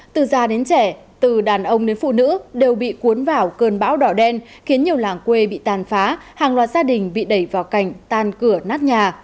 từ già đến trẻ từ đàn ông đến phụ nữ đều bị cuốn vào cơn bão đỏ đen khiến nhiều làng quê bị tàn phá hàng loạt gia đình bị đẩy vào cảnh tan cửa nát nhà